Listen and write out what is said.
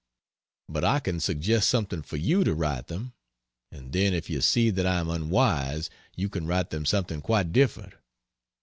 But I can suggest something for you to write them; and then if you see that I am unwise, you can write them something quite different.